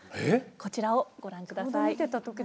こちらをご覧ください。